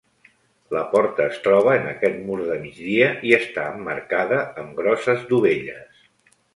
La porta es troba en aquest mur de migdia i està emmarcada amb grosses dovelles.